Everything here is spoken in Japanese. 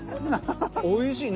おいしい。